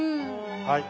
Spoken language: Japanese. はい。